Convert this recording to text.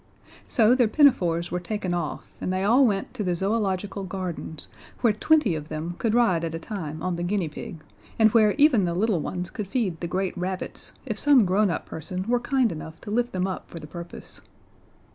So their pinafores were taken off and they all went to the Zoological Gardens, where twenty of them could ride at a time on the guinea pig, and where even the little ones could feed the great rabbits if some grown up person were kind enough to lift them up for the purpose.